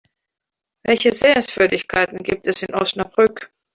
Welche Sehenswürdigkeiten gibt es in Osnabrück?